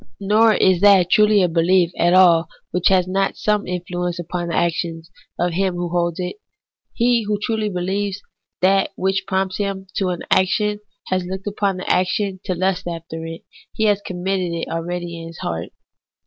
Nor is that truly a belief at all which has not some influence upon the actions of him who holds it. He who truly beheves that which prompts him to an action has looked upon the action to lust after it, he has committed it already in his heart.